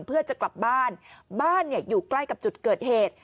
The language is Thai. เพื่อจะกลับบ้านบ้านอยู่ใกล้กับจุดเกิดเหตุ